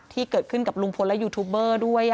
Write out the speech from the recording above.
ที่เกิดขึ้นกับลุงพลและยูทูบเบอร์ด้วย